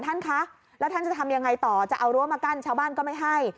ท่านคะแล้วท่านจะทำยังไงต่อจะเอารั้วมากั้นชาวบ้านก็ไม่ให้